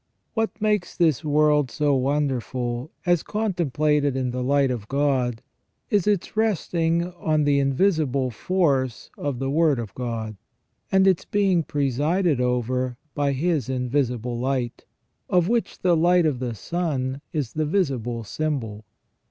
What makes this world so wonderful, as contemplated in the light of God, is its resting on the invisible force of the Word of God, and its being presided over by His invisible light, of which the light of the sun is the visible symbol.